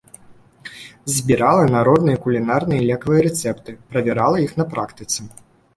Збірала народныя кулінарныя і лекавыя рэцэпты, правярала іх на практыцы.